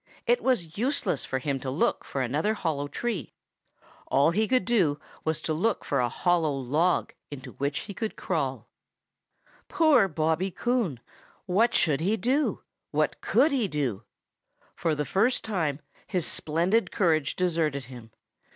It was useless for him to look for another hollow tree. All he could do was to look for a hollow log into which he could crawl. [Illustration: 0050] Poor Bobby Coon! What should he do? What could he do? For the first time his splendid courage deserted him.